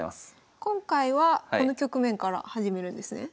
今回はこの局面から始めるんですね？